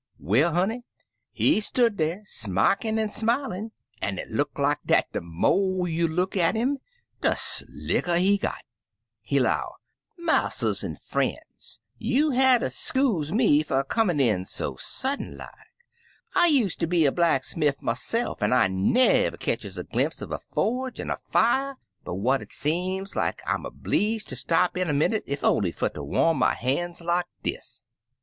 "Well, honey, he stood dar smickin* an* smilin*, an* it look like dat de mo* you look at *im, de slicker he got. He *low, * Marsters an* frien*8, you*ll hatter skusen me fer comin* in so sudden like. I use ter be a blacksmiff myse*f, an* I never ketches a glimp* uv a forge an* a fier but what it seem like I*m a bleeze ter stop in a minnit ef only fer ter warai my han*s like dis.